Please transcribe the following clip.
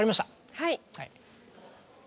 はい。